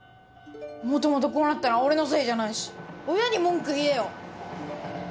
元々こうなったのは俺のせいじゃないし親に文句言えよ。